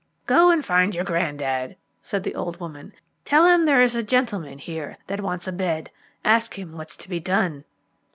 "Go and find your grandad," said the old woman. "Tell him there is a gentleman here that wants a bed. Ask him what's to be done."